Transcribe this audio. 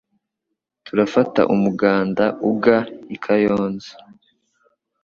Turafata umuhanda uga I Kayonza,